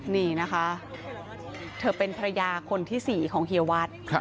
นี่นะคะเธอเป็นภรรยาคนที่๔ของเฮียวัด